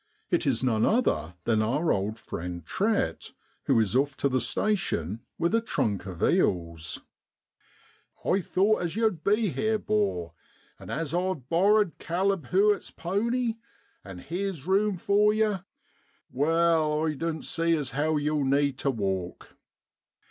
It is none other than our old friend Trett, who is off to the station with a trunk of eels. <I thowt as yow'd be here, 'bor, an' as I've borrered Caleb Hewitt's pony an' heer's rume for yer, wal, I doan't see as how yow'll need tu walk.'